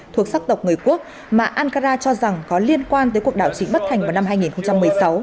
thuộc sắc tộc người quốc mà ankara cho rằng có liên quan tới cuộc đảo chính bất thành vào năm hai nghìn một mươi sáu